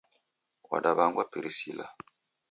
W'adaw'angwa Priscillah